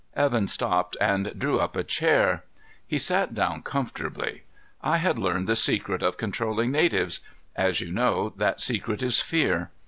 Evan stopped and drew up a chair. He sat down comfortably. "I had learned the secret of controlling natives. As you know, that secret is fear.